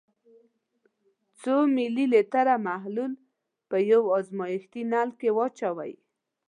څو ملي لیتره محلول په یو ازمیښتي نل کې واچوئ.